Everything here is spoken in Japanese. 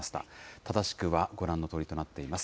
正しくはご覧のとおりとなっています。